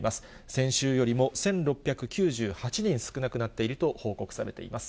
先週よりも１６９８人少なくなっていると報告されています。